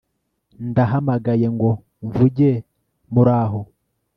Ndahamagaye ngo mvuge muraho